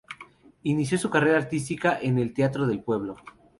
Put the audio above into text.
Inició su carrera artística con el "Teatro del Pueblo".